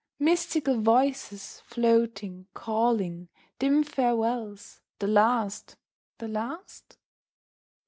Mystical voices, floating, calling; Dim farewells the last, the last?